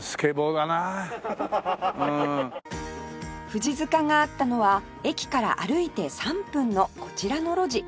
富士塚があったのは駅から歩いて３分のこちらの路地